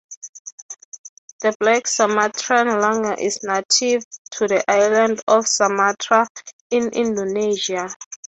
The black Sumatran langur is native to the island of Sumatra in Indonesia.